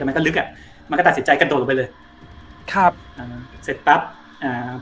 มันก็ลึกอ่ะมันก็ตัดสินใจกระโดดลงไปเลยครับอ่าเสร็จปั๊บอ่าครับ